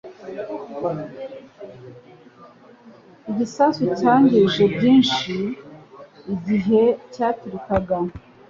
Igisasu cyangije byinshi igihe cyaturikaga.